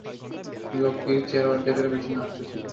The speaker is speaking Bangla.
লোকটির চেহারা অর্ধেকের বেশি নষ্ট ছিল!